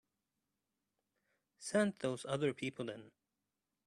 Send those other people in.